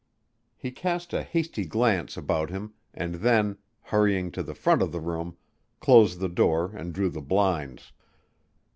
He cast a hasty glance about him and then, hurrying to the front of the room, closed the door and drew the blinds.